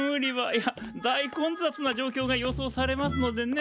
いや大混雑な状況が予想されますのでね